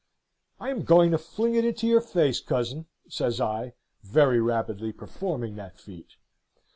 "'I am going to fling it into your face, cousin,' says I, very rapidly performing that feat.